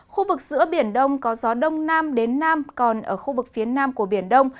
khu vực giữa biển đông có gió đông nam đến nam còn ở khu vực phía nam của biển đông